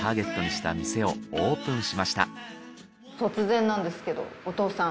突然なんですけどお父さん。